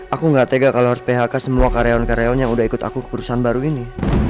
aku gak tega kalau harus phk semua karyawan karyawan yang udah ikut aku ke perusahaan baru ini